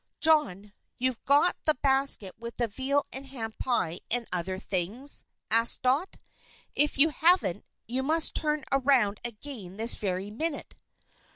"John, you've got the basket with the veal and ham pie and other things?" asked Dot. "If you haven't, you must turn around again this very minute."